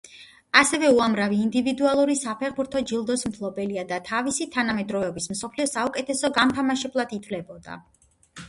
ასევე უამრავი ინდივიდუალური საფეხბურთო ჯილდოს მფლობელია და თავისი თანამედროვეობის მსოფლიოს საუკეთესო გამთამაშებლად ითვლებოდა.